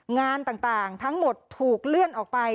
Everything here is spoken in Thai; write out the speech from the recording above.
งานต่างทั้งหมดถูกเลื่อนออกไป